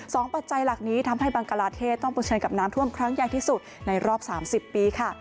ปัจจัยหลักนี้ทำให้บังกลาเทศต้องเผชิญกับน้ำท่วมครั้งใหญ่ที่สุดในรอบสามสิบปีค่ะ